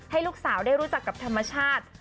ให้ลูกสาวได้รู้จักกับธรรมชาติ